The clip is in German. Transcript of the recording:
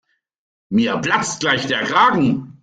Mir platzt gleich der Kragen.